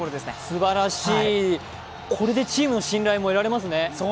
すばらしい、これでチームの信頼も得られますね。